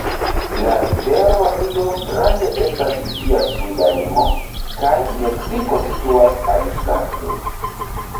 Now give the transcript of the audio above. La rivero Rio Grande estas ĝia suda limo, kaj Meksiko situas aliflanke.